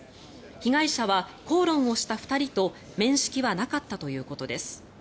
被害者は口論をした２人と面識はなかったということです。